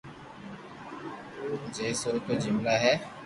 ڇي سو تو جملا ھي